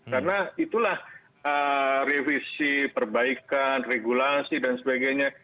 karena itulah revisi perbaikan regulasi dan sebagainya